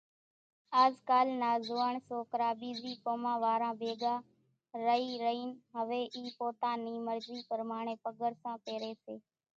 آز ڪالِ نا زوئاڻ سوڪرا ٻيزِي قوم واران ڀيڳا رئِي رئينَ هويَ اِي پوتا نِي مرضِي پرماڻيَ پڳرسان پيريَ سي۔